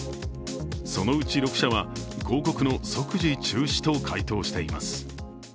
そのうち６社は、広告の即時中止と回答しています。